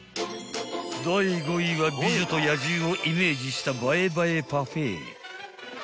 ［第５位は『美女と野獣』をイメージした映え映えパフェ］